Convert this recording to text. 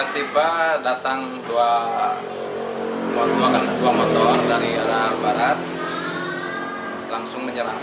tidak ada bicara dulu